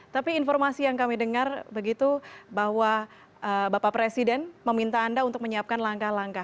tapi informasi yang kami dengar begitu bahwa bapak presiden meminta anda untuk menyiapkan langkah langkah